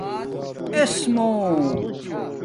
اِسُومہ